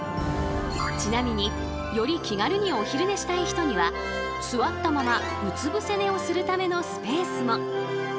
ちなみにより気軽にお昼寝したい人には座ったままうつぶせ寝をするためのスペースも。